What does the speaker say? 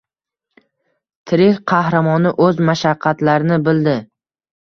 Tirik qahramoni o‘z mashaqqatlarini bildi.